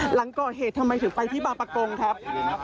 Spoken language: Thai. หลังก่อเหตุทำไมถึงไปที่บางประกงครับ